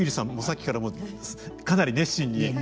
さっきからかなり熱心に。